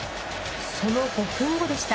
その５分後でした。